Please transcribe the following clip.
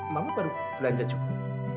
mama baru belanja cukup